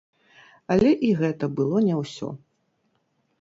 Але і гэта было не ўсё.